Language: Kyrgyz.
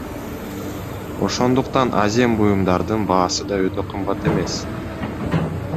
Ошондуктан азем буюмдардын баасы да өтө кымбат эмес.